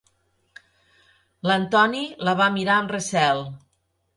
L'Antoni la va mirar amb recel.